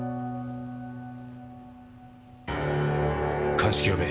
鑑識呼べ。